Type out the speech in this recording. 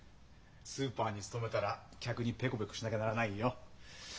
スーパーに勤めたら客にペコペコしなきゃならないよ。